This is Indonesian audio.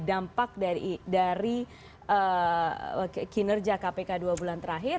dampak dari kinerja kpk dua bulan terakhir